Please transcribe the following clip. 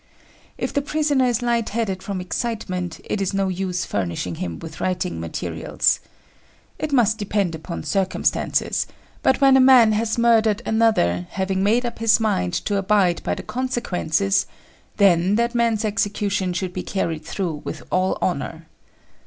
If the prisoner is light headed from excitement, it is no use furnishing him with writing materials. It must depend upon circumstances; but when a man has murdered another, having made up his mind to abide by the consequences, then that man's execution should be carried through with all honour.